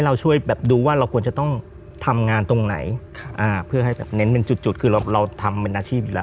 เราช่วยแบบดูว่าเราควรจะต้องทำงานตรงไหนเพื่อให้แบบเน้นเป็นจุดคือเราเราทำเป็นอาชีพอยู่แล้ว